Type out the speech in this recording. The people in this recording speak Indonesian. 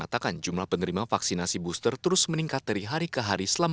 akan menerapkan booster sebagai persyaratan